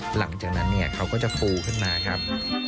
หลังจากนั้นเนี่ยเขาก็จะฟูขึ้นมาครับ